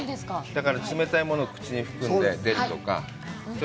だから、冷たいものを口に含むとか、ち